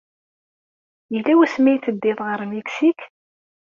Yella wasmi ay teddiḍ ɣer Miksik?